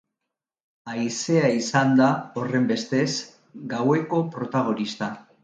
Haizea izan da, horrenbestez, gaueko protagonista.